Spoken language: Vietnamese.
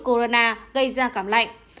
corona gây ra cảm lạnh